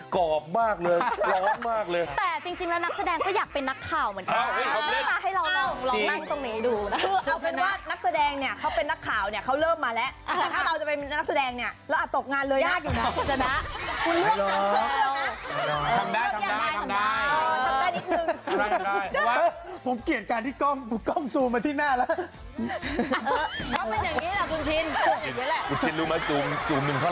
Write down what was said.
คงครบรถเลยตัวอย่างเงี้ยตัวราคอนตัวเนี่ยเป็นตำกรวชมาก่อน